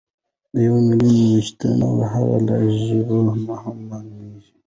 د یو ملت ويښتیا د هغوی له ژبې هم مالومیږي.